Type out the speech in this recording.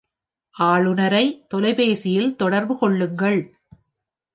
ஆளுநரை தொலைபேசியில் தொடர்பு கொள்ளுங்கள்!